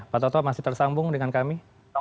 pak toto masih tersambung dengan kami